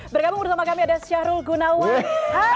bergabung bersama kami ada syahrul gunawan